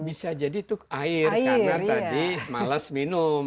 bisa jadi itu air karena tadi males minum